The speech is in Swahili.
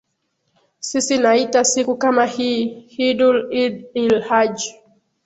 sisi naita siku kama hii hiddul idd el hajj